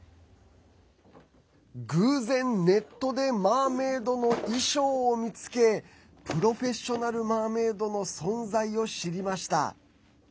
偶然、ネットでマーメードの衣装を見つけプロフェッショナル・マーメードの存在を知りました。